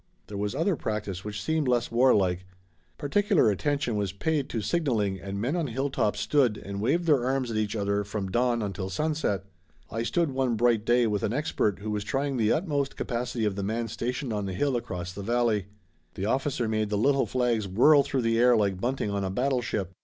There was other practice which seemed less warlike. Particular attention was paid to signaling and men on hilltops stood and waved their arms at each other from dawn until sunset. I stood one bright day with an expert who was trying the utmost capacity of the man stationed on the hill across the valley. The officer made the little flags whirl through the air like bunting on a battleship.